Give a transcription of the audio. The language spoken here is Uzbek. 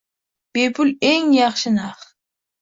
Bepul eng yaxshi narx